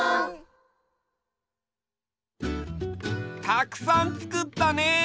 たくさんつくったね！